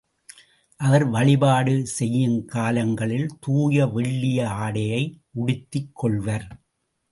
அவர் வழிபாடு செய்யுங் காலங்களில் தூய வெள்ளிய ஆடையை உடுத்திக் கொள்வர்.